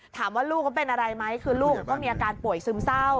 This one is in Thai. ลูกเขาเป็นอะไรไหมคือลูกก็มีอาการป่วยซึมเศร้า